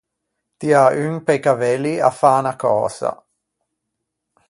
Tiâ un pe-i cavelli à fâ unna cösa.